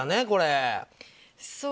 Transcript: これ。